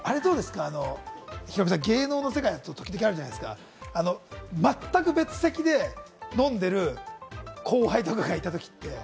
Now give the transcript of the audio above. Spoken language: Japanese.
ヒロミさん、芸能の世界だと時々あるじゃないですか、全く別席で飲んでいる後輩とかがいたときって。